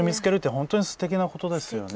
本当にすてきなことですよね。